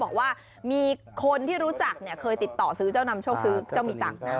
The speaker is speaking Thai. บอกว่ามีคนที่รู้จักเนี่ยเคยติดต่อซื้อเจ้านำโชคซื้อเจ้ามีตังค์นะ